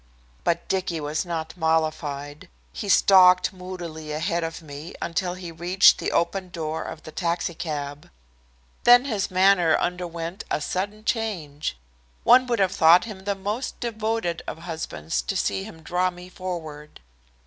But Dicky was not mollified. He stalked moodily ahead of me until he reached the open door of the taxicab. Then his manner underwent a sudden change. One would have thought him the most devoted of husbands to see him draw me forward.